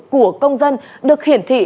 của công dân được hiển thị